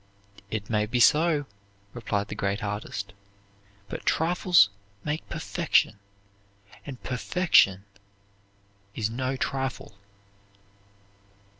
"It may be so," replied the great artist, "but trifles make perfection, and perfection is no trifle."